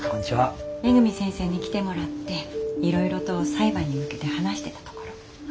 恵先生に来てもらっていろいろと裁判に向けて話してたところ。